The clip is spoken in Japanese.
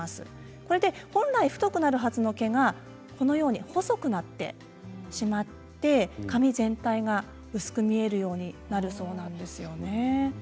これで本来太くなるはずの毛がこのように細くなって髪全体が薄く見えるようになるそうなんですよね。